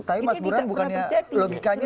tapi mas buran logikanya